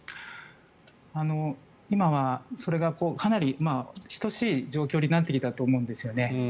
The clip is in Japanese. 今はそれがかなり等しい状況になってきたと思うんです。